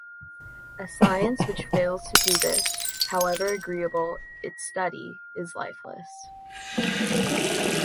A science which fails to do this, however agreeable its study, is lifeless.